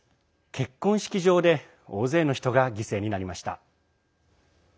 結婚式場で大勢の人が犠牲になりました。